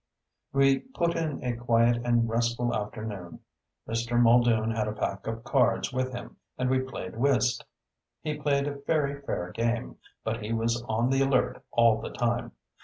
We put in a quiet and restful afternoon. Mr. Muldoon had a pack of cards with him and we played whist. He played a very fair game, but he was on the alert all the time.